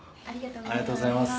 ありがとうございます。